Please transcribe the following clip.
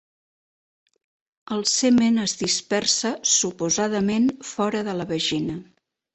El semen es dispersa, suposadament, fora de la vagina.